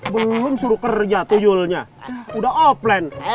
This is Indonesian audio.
belum suruh kerja tuyulnya udah offline